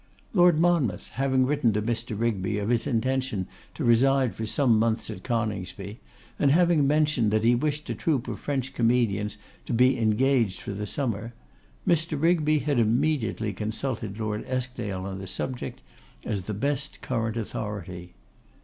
Lord Monmouth having written to Mr. Rigby of his intention to reside for some months at Coningsby, and having mentioned that he wished a troop of French comedians to be engaged for the summer, Mr. Rigby had immediately consulted Lord Eskdale on the subject, as the best current authority.